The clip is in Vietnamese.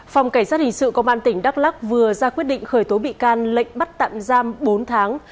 phòng cảnh sát hình sự công an tỉnh đắk lắc vừa ra quyết định khởi tố bị can lệnh bắt tạm giam bốn tháng